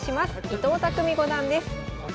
伊藤匠五段です。